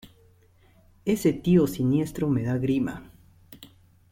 Ese tío siniestro me da grima